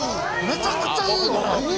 めちゃくちゃいいね。